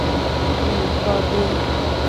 Ng nu ko be.